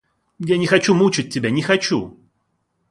Я не хочу мучать тебя, не хочу!